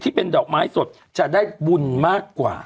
ที่เป็นดอกไม้สดจะได้บุญมากกว่า